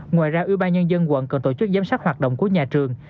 ngoài ra ủy ban nhân dân quận cần tổ chức giám sát hoạt động của nhà trường